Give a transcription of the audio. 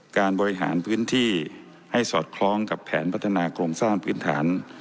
การบริหารพื้นที่ให้สอดคล้องกับแผนพัฒนาโครงสร้างพื้นฐาน